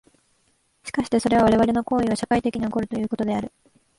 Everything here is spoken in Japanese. しかしてそれは我々の行為は社会的に起こるということである。